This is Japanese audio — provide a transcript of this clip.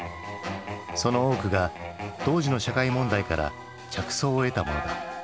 その多くが当時の社会問題から着想を得たものだ。